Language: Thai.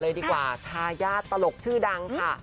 ดีกว่าทายาทตลกชื่อดังค่ะ